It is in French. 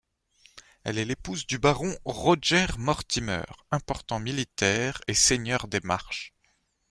Elle est l'épouse du baron Roger Mortimer, important militaire et seigneur des Marches.